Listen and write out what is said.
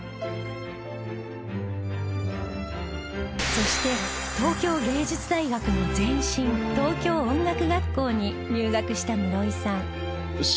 そして東京藝術大学の前身東京音楽学校に入学した室井さん